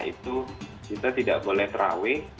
itu kita tidak boleh terawih